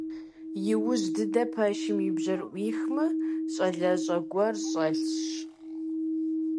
Иужь дыдэ пэшым и бжэр Ӏуихмэ, щӀалэщӀэ гуэр щӀэлъщ.